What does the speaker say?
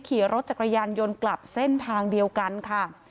ขี่รถจักรยานยนต์กลับเส้นทางเดียวกันค่ะ